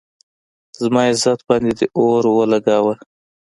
زما عزت باندې دې اور ولږاونه